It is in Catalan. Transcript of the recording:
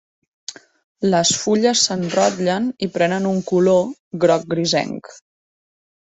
Les fulles s'enrotllen i prenen un color groc grisenc.